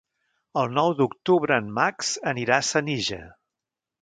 El nou d'octubre en Max anirà a Senija.